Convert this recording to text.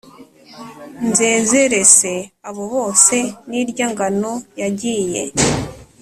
Nsezere se abo bose N’irya ngano yagiye ?